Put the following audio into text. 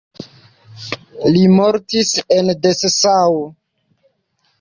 Li mortis en Dessau.